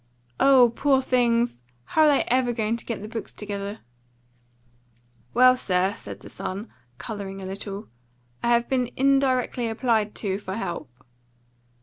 "Oh, poor things! How are they ever going to get the books together?" "Well, sir," said the son, colouring a little, "I have been indirectly applied to for help."